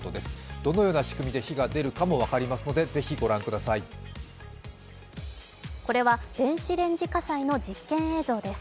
どのような仕組みで火が出るかも分かりますのでこれは電子レンジ火災の実験映像です。